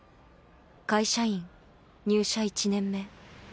会社員入社１年目